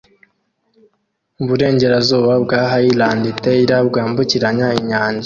Uburengerazuba bwa Highland Terrier bwambukiranya umwanda